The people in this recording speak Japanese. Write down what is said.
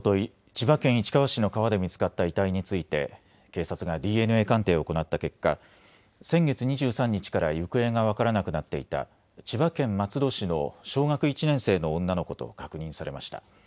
千葉県市川市の川で見つかった遺体について警察がＤＮＡ鑑定を行った結果、先月２３日から行方が分からなくなっていた千葉県松戸市の小学１年生の女の子と確認されました。